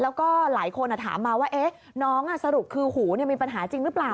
แล้วก็หลายคนถามมาว่าน้องสรุปคือหูมีปัญหาจริงหรือเปล่า